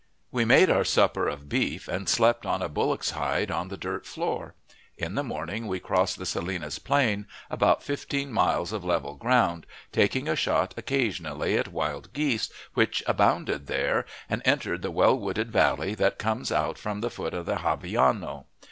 We made our supper of beef, and slept on a bullock's hide on the dirt floor. In the morning we crossed the Salinas Plain, about fifteen miles of level ground, taking a shot occasionally at wild geese, which abounded there, and entering the well wooded valley that comes out from the foot of the Gavillano.